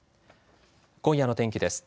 今夜の天気です。